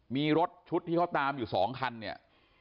มีรถชุดที่เขาตามอยู่๒คันเนี่ย